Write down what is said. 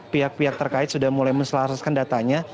pihak pihak terkait sudah mulai menselaraskan datanya